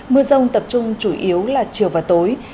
mưa rông tập trung chủ yếu là chiều và tối